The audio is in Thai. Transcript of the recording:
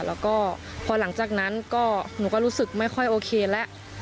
แล้วก็พอหลังจากนั้นก็หนูก็รู้สึกไม่ค่อยโอเคแล้ว